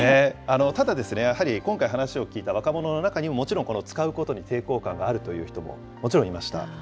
ただ、やはり今回、話を聞いた若者の中にもちろんこの使うことに抵抗感があるという人も、もちろんいました。